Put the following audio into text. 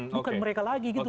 bukan mereka lagi